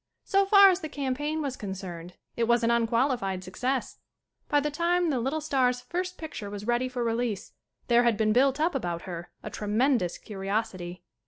So far as the campaign was concerned it was an un qualified success. By the time the little star's first picture was ready for release there had been built up about her a tremendous curiosity.